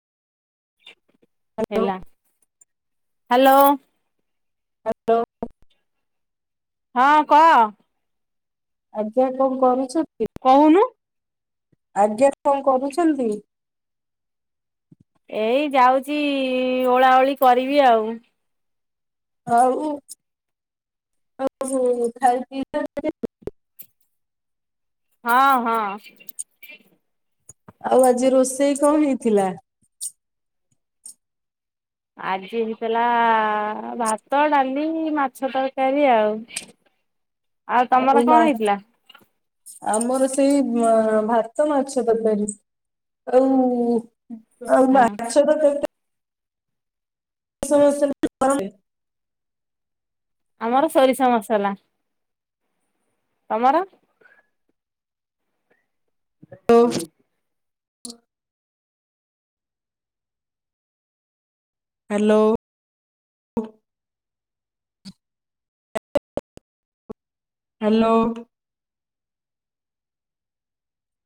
ହେଲା hello hello ହଁ କହ ଆଜ୍ଞା କଣ କରୁଛନ୍ତି? କହୁନୁ ଆଜ୍ଞା କଣ କରୁଛନ୍ତି? ଏଇ ଯାଉଛି ଓଳା ଓଳି କରିବି ଆଉ ହଉ ହଉ ଖାଇ ପିଇ ସାରିଲେଣି? ହଁ-ହଁ, ଆଉ ଆଜି ରୋଷେଇ କଣ ହେଇଥିଲା? ଆଜି ହେଇଥିଲା ଭାତ ଡାଲି ମାଛ ତରକାରୀ ଆଉ [inaudible] ଆଉ ତମର କଣ ହେଇଥିଲା? ଆମର ସେଇ ଭାତ ମାଛ ତରକାରି ଆଉ ଆଉ ହଁ ମାଛ ତରକାରିଟା ସମୟ ସେମିତି ବାହାରେ ଆମର ସୋରିଷ ମସଲା ତମର? ହ୍ୟାଲୋ ହେଇଯାଇଛି। Hello hello